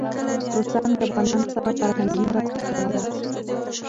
روسان له افغانانو سره فرهنګي مرسته کوله.